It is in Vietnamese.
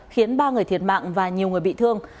khiến ba người thiệt mạng và nhiều người bị thương